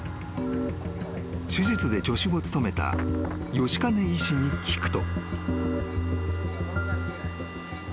［手術で助手を務めた吉金医師に聞くと］